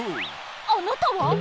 あなたは？